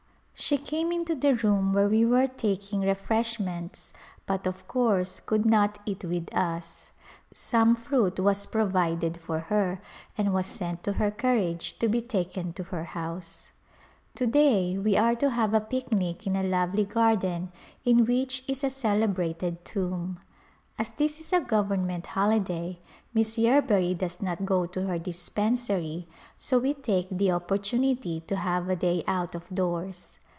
She came into the room where we were taking refresh ments but, of course, could not eat with us. Some fruit was provided for her and was sent to her carriage to be taken to her house. To day we are to have a picnic in a lovely garden in which is a celebrated tomb. As this is a government holiday Miss Yerbury does not go to her dispensary so we take the opportunity to have a day out of doors.